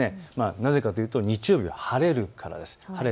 なぜかというと日曜日は晴れるからです。